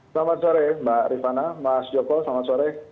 selamat sore mbak rifana mas joko selamat sore